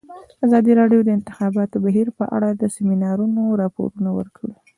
ازادي راډیو د د انتخاباتو بهیر په اړه د سیمینارونو راپورونه ورکړي.